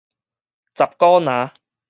十股林